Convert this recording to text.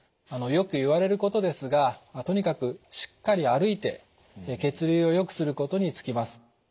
よく言われることですがとにかくしっかり歩いて血流をよくすることに尽きます。